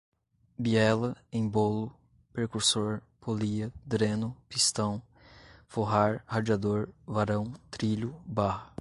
biela, êmbolo, percursor, polia, dreno, pistão, forrar, radiador, varão, trilho, barra